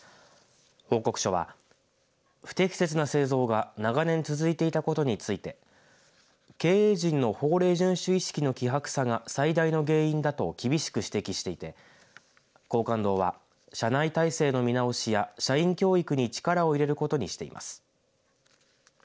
報告書は不適切な製造が長年続いていたことについて経営陣の法令順守意識の希薄さが最大の原因だと厳しく指摘していて廣貫堂は、社内体制の見直しや社員教育に力を入れることにしています。